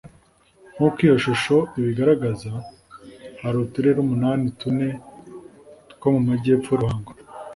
Nk’uko iyi shusho ibigaragaza hari uturere umunani tune two mu majyepfo Ruhango